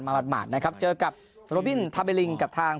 หมาดนะครับเจอกับโรบินทาเบลิงกับทาง